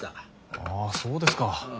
ああそうですか。